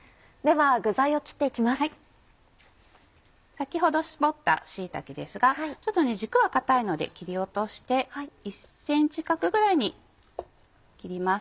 先ほど絞った椎茸ですがちょっと軸は硬いので切り落として１ｃｍ角ぐらいに切ります。